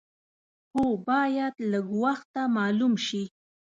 هو باید لږ وخته معلوم شي.